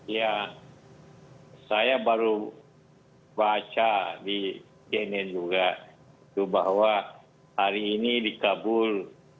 ya saya baru baca di cnn juga itu bahwa hari ini dikabul